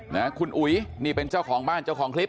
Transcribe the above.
นะคุณอุ๋ยนี่เป็นเจ้าของบ้านเจ้าของคลิป